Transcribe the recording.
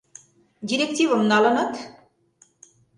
— Директивым налынат?